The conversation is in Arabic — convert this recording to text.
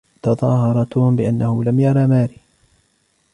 تظاهر توم بأنه لم يرى ماري.